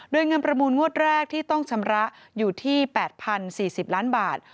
โดยเงินประมูลงวดแรกที่ต้องชำระอยู่ที่๘๐๔๐ล้านบาท